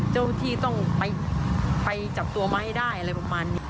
เจ้าที่ต้องไปจับตัวมาให้ได้อะไรประมาณนี้